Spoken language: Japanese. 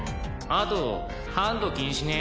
「あとハンド禁止ね」